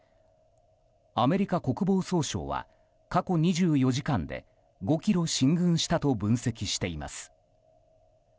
アメリカ国防総省は過去２４時間で５ｋｍ進軍したと分析しています。